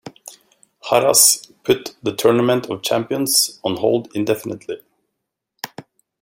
Harrah's put the Tournament of Champions on hold indefinitely.